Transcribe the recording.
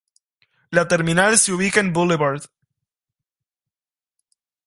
La Terminal se ubica en Blvd.